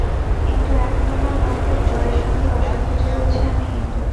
কিন্তু এখন আমার মন খুব জোরের সঙ্গে অসংকোচে বলছে, আমি হিন্দু।